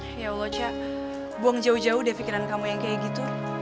ya allah cak buang jauh jauh deh pikiran kamu yang kayak gitu